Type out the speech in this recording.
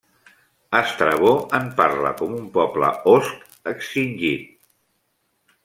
Estrabó en parla com un poble osc extingit.